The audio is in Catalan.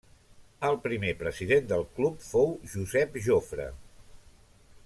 El primer president del club fou Josep Jofre.